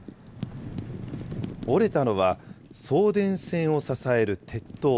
折れたのは、送電線を支える鉄塔。